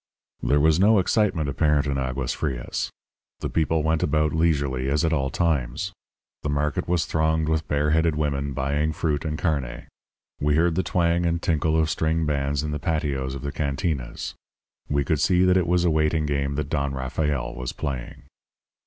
"There was no excitement apparent in Aguas Frias. The people went about leisurely as at all times; the market was thronged with bare headed women buying fruit and carne; we heard the twang and tinkle of string bands in the patios of the cantinas. We could see that it was a waiting game that Don Rafael was playing.